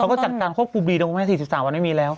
แล้วก็จัดการควบคุมดีลงให้๔๓วันไม่มีแล้ว